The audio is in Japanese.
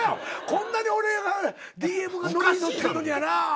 こんなに俺がＤＭがのりにのってるのにやな。